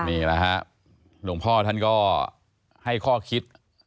นี่แหละฮะหลวงพ่อท่านก็ให้ข้อคิด